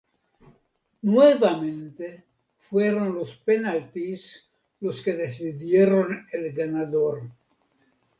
Nuevamente fueron los penaltis los que decidieron al ganador.